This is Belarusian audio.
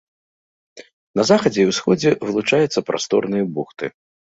На захадзе і ўсходзе вылучаюцца прасторныя бухты.